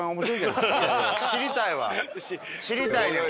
知りたいよ